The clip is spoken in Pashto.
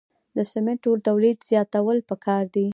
د سمنټو تولید زیاتول پکار دي